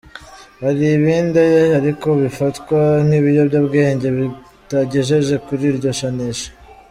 Hari ibindi ariko bifatwa nk’ibiyobyabwenge bitagejeje kuri iryo janisha.